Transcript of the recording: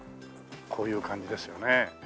こういう感じですよね。